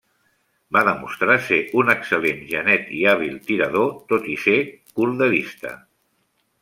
Va demostrar ser un excel·lent genet i hàbil tirador, tot i ser curt de vista.